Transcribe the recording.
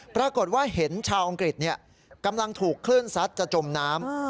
ปรากฏว่าเห็นชาวอังกฤษกำลังถูกคลื่นซัดจะจมน้ำ